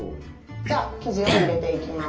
じゃあ生地を入れていきます。